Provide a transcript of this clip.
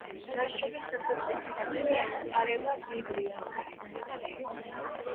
ნაშრომის დასაწყისი ნაწილი ემყარება ბიბლიას.